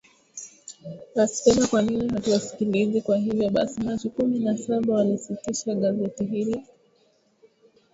Wanasdema kwa nini hatuwasikilizi kwa hivyo basi Machi kumi na saba walisitisha gazeti hilo